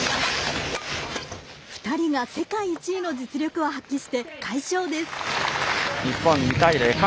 ２人が世界１位の実力を発揮して快勝です。